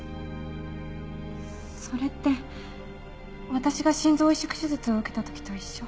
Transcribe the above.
それって私が心臓移植手術を受けた時と一緒。